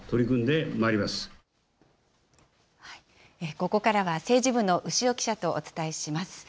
ここからは政治部の潮記者とお伝えします。